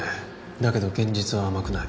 だけど現実は甘くない